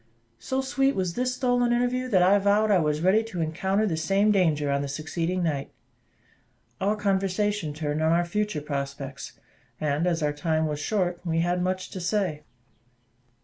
So sweet was this stolen interview, that I vowed I was ready to encounter the same danger on the succeeding night. Our conversation turned on our future prospects; and, as our time was short, we had much to say.